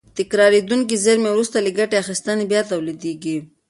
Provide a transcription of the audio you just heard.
تکرارېدونکې زېرمې وروسته له ګټې اخیستنې بیا تولیدېږي.